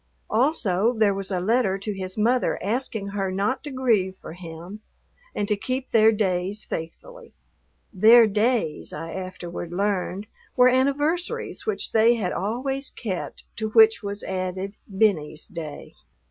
Also there was a letter to his mother asking her not to grieve for him and to keep their days faithfully. "Their days," I afterward learned, were anniversaries which they had always kept, to which was added "Benny's day."